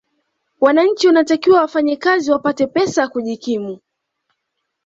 wananchi wanatakiwa wafanye kazi wapate pesa ya kujikimu